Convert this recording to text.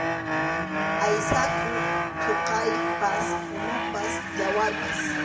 Aysakuq thuqaypas, unupas, yawarpas.